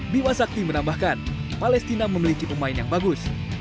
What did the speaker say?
bimasakti menambahkan palestina memiliki pemain yang bagus